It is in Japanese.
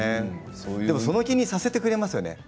でもその気にさせてくれますよね